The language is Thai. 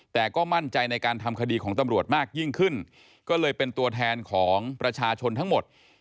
แต่ก็มั่นใจในการทำคดีของตำรวจมากยิ่งขึ้นก็เลยเป็นตัวแทนของประชาชนทั้งหมด